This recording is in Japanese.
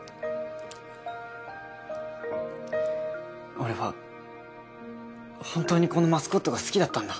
俺は本当にこのマスコットが好きだったんだ。